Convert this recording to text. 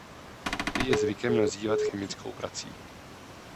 Ty je zvykem nazývat chemickou prací.